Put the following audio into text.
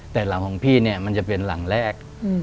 แต่หลังของพี่เนี่ยมันจะเป็นหลังแรก